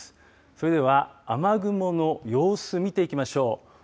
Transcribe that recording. それでは雨雲の様子見ていきましょう。